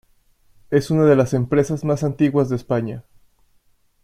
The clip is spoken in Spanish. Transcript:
Es una de las empresas más antiguas de España.